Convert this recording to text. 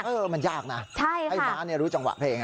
เออมันยากนะให้ม้าเนี่ยรู้จังหวะเพลงอะ